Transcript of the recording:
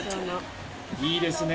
いいですね。